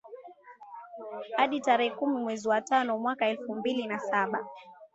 hadi tarehe kumi mwezi wa tano mwaka elfu mbili na saba